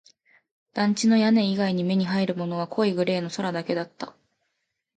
団地の屋根以外に目に入るものは濃いグレーの空だけだった